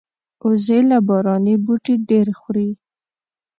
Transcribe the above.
وزې له باراني بوټي ډېر خوري